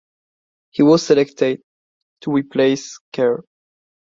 He was selected to replace Kher.